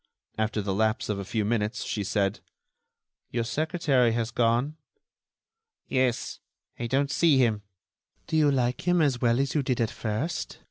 After the lapse of a few minutes she said: "Your secretary has gone." "Yes, I don't see him." "Do you like him as well as you did at first?"